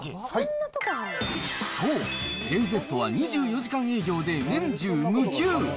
そう、ＡーＺは２４時間営業で年中無休。